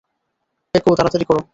পেকো, তারাতাড়ি করো!